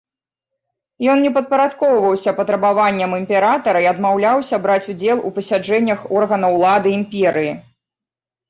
Ён не падпарадкоўваўся патрабаванням імператара і адмаўляўся браць удзел у пасяджэннях органаў улады імперыі.